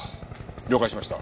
了解しました。